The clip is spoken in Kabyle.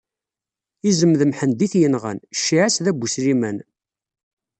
Izem d Mḥend i t-yenɣan, cciɛa-s d abu Sliman.